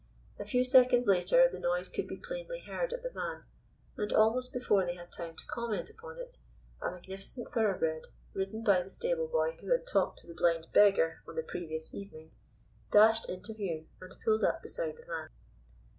A few seconds later the noise could be plainly heard at the van, and almost before they had time to comment upon it, a magnificent thoroughbred, ridden by the stable boy who had talked to the blind beggar on the previous evening, dashed into view, and pulled up beside the van.